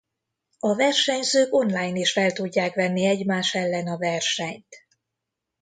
A versenyzők online is fel tudják venni egymás ellen a versenyt.